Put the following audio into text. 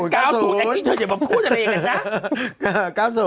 ถ้าไม่คิดเธออย่าบอกพูดอันเองกันนะ